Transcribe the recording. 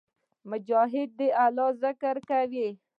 مجاهد د الله ذکر کوي.